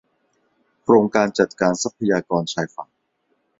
โครงการจัดการทรัพยากรชายฝั่ง